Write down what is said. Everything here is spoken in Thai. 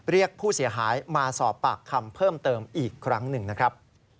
เรียกผู้เสียหายมาสอบปากคำเพิ่มเติมอีกครั้งหนึ่งนะครับ